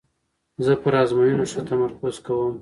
زه پر آزموینو ښه تمرکز کوم.